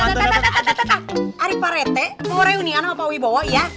tuh tuh tuh arik pak rete mau reunian sama pak wibowo iya